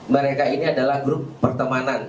mereka ini adalah grup pertemanan